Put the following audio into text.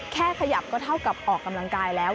ขยับก็เท่ากับออกกำลังกายแล้ว